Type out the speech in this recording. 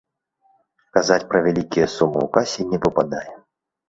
Казаць пра вялікія сумы ў касе не выпадае.